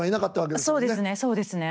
そうですねそうですね。